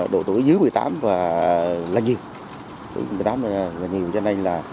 độ tuổi dưới một mươi tám và là nhiên